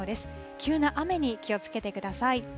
急な雨に気をつけてください。